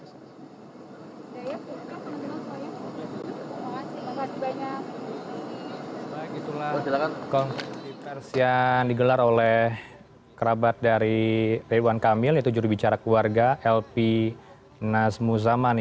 baik itulah konversi persian digelar oleh kerabat dari iryawan kamil yaitu juri bicara keluarga lp nazmuzaman